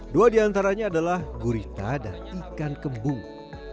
dua di antaranya adalah gurita dan ikan kembung